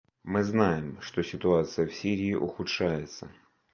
Мы все знаем, что ситуация в Сирии ухудшается.